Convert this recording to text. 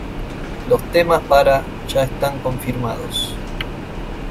Los temas para ya están confirmados.